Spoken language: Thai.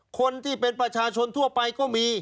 คนที่เป็นประชาชนทั่วไปก็มี